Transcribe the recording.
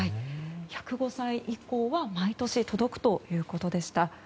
１０５歳以降は毎年届くということでした。